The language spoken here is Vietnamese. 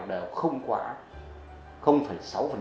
đều không quá không phải sáu